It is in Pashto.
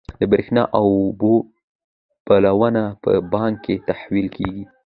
د برښنا او اوبو بلونه په بانک کې تحویل کیږي.